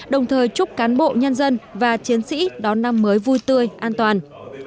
đồng thời chúc cán bộ nhân dân và chiến sĩ đón năm mới vui tươi an toàn